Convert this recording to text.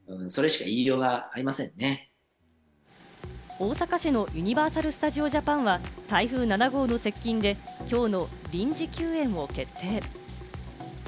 大阪市のユニバーサル・スタジオ・ジャパンは台風７号の接近で、きょうの臨時休園を決定。